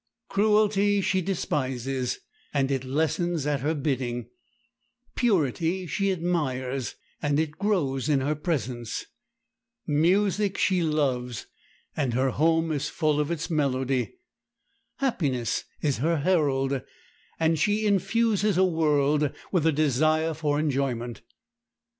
Cruelty she despises, and it lessens at her bidding; purity she admires, and it grows in her presence; music she loves, and her home is full of its melody; happiness is her herald, and she infuses a world with a desire for enjoyment.